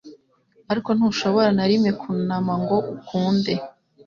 Ariko ntushobora na rimwe kunama ngo ukunde,